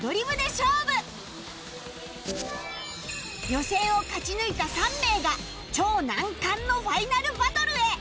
予選を勝ち抜いた３名が超難関のファイナルバトルへ